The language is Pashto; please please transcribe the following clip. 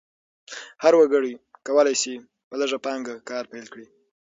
هر وګړی کولی شي په لږه پانګه کار پیل کړي.